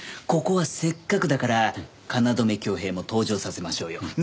ここはせっかくだから京匡平も登場させましょうよ。